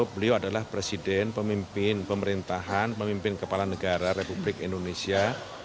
beliau adalah presiden pemimpin pemerintahan pemimpin kepala negara republik indonesia